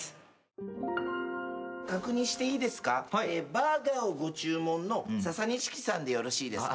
バーガーをご注文のササニシキさんでよろしいですか？